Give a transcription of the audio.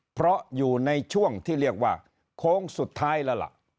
เพราะอยู่ในช่วงที่เรียกว่าโค้งสุดท้ายแล้วล่ะ